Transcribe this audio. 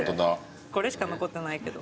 これしか残ってないけど。